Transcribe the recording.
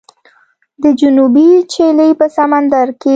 د جنوبي چیلي په سمندر کې